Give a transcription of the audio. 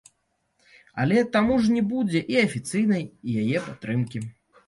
Але таму ж не будзе і афіцыйнай яе падтрымкі.